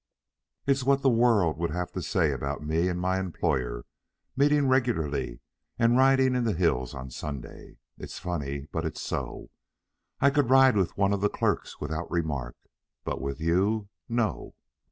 It's what the world would have to say about me and my employer meeting regularly and riding in the hills on Sundays. It's funny, but it's so. I could ride with one of the clerks without remark, but with you no."